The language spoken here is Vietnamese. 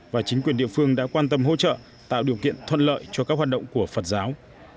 và chính quyền địa phương đã quan tâm hỗ trợ tạo điều kiện thuận lợi cho các hoạt động của phật giáo